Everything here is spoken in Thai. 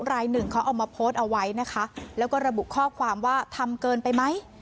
รายหนึ่งเขาเอามาโพสต์เอาไว้นะคะแล้วก็ระบุข้อความว่าทำเกินไปไหม